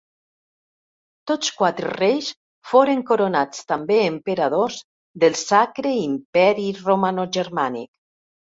Tots quatre reis foren coronats també emperadors del Sacre Imperi Romanogermànic.